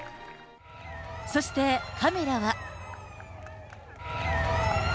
そしてカメラは。